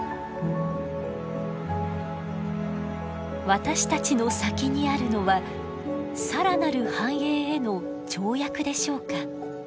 私たちの先にあるのは更なる繁栄への跳躍でしょうか？